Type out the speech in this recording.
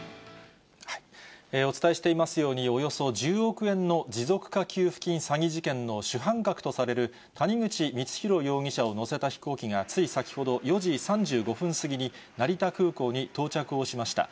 お伝えしていますように、およそ１０億円の持続化給付金詐欺事件の主犯格とされる谷口光弘容疑者を乗せた飛行機がつい先ほど、４時３５分過ぎに成田空港に到着をしました。